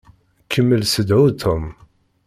Kemmel ssedhu Tom.